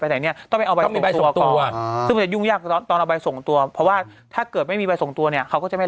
อันนี้เข้าใจคุณแม่ในขณะเดียวก่อนเนี่ยถ้าเราจะไป